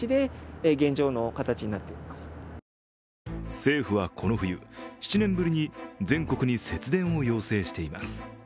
政府はこの冬、７年ぶりに全国に節電を要請しています。